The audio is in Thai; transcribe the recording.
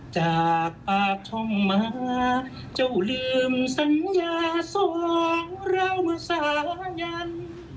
จากปากท่องมาเจ้าลืมสัญญาสองเราเมื่อสายัน